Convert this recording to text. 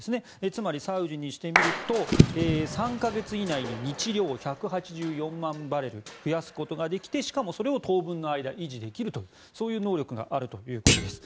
つまり、サウジにしてみると３か月以内に日量１８４万バレル増やすことができてしかもそれを当分の間維持できる能力があるということです。